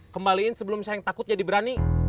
kembaliin sebelum saya yang takut jadi berani